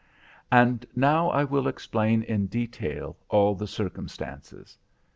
And now I will explain in detail all the circumstances.